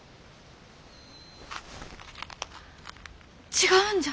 違うんじゃ。